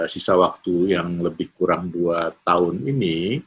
sisa waktu yang lebih kurang dua tahun ini